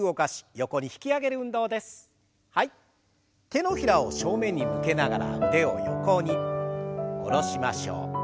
手のひらを正面に向けながら腕を横に下ろしましょう。